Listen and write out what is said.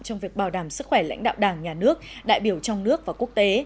trong việc bảo đảm sức khỏe lãnh đạo đảng nhà nước đại biểu trong nước và quốc tế